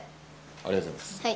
ありがとうございます。